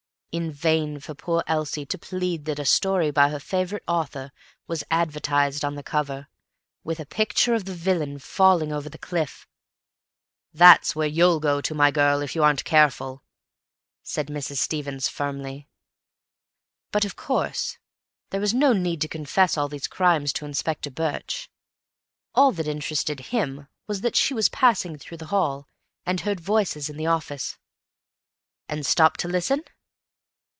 In vain for poor Elsie to plead that a story by her favourite author was advertised on the cover, with a picture of the villain falling over the cliff. "That's where you'll go to, my girl, if you aren't careful," said Mrs. Stevens firmly. But, of course, there was no need to confess all these crimes to Inspector Birch. All that interested him was that she was passing through the hall, and heard voices in the office. "And stopped to listen?"